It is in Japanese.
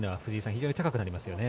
非常に高くなりますよね。